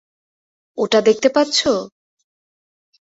ওটা দেখতে পাচ্ছো?